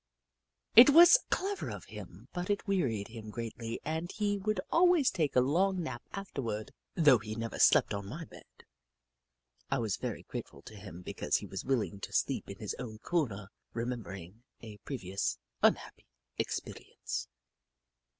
" It was clever of him, but it wearied him greatly and he would always take a long nap afterward, though he never slept on my bed. I was very grateful to him because he was willing to sleep in his own corner, remembering a pre vious unhappy experience.